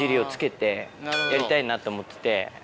やりたいなって思ってて。